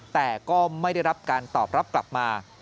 แต่ก็ไม่ได้รับการตอบรับกลับมา